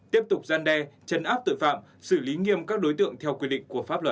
tiếp tục gian đe chấn áp tội phạm xử lý nghiêm các đối tượng theo quy định của pháp luật